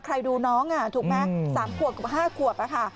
ใครดูน้องอ่ะถูกไหม๓๕กวบค่ะ